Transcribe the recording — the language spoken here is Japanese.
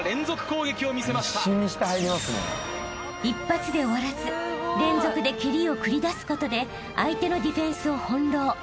［一発で終わらず連続で蹴りを繰り出すことで相手のディフェンスを翻弄］